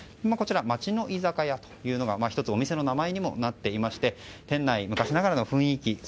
こちら、街の居酒屋というのが１つお店の名前にもなっていて店内、昔ながらの雰囲気。